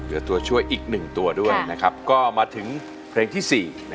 ก็เอามาถึงเพลงที่๔